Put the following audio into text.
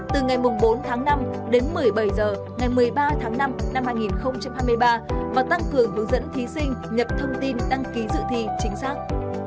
từ ngày bốn tháng năm đến một mươi bảy h ngày một mươi ba tháng năm năm hai nghìn hai mươi ba và tăng cường hướng dẫn thí sinh nhập thông tin đăng ký dự thi chính xác